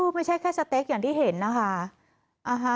ไม่ใช่แค่สเต็กอย่างที่เห็นนะคะ